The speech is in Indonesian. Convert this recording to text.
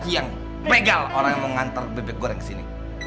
yang pegal orang yang mau ngantar bebek goreng disini